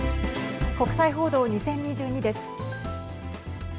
国際報道２０２２です。